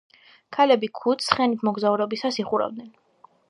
ქალები ქუდს ცხენით მოგზაურობისას იხურავდნენ.